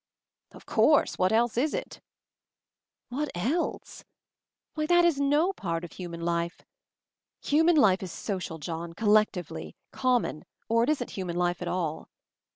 "Of course, what else is it?" "What else! Why, that is no part of hu man lifel Human life is social, John, col lectively, common, or it isn't human life at all.